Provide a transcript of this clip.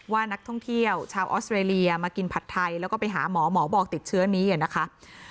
ว่านักท่องเที่ยวชาวออสเตรเลียมากินผัดไทยแล้วก็ไปหาหมอหมอบอกติดเชื้อนี้นะคะ